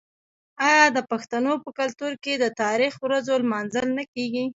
آیا د پښتنو په کلتور کې د تاریخي ورځو لمانځل نه کیږي؟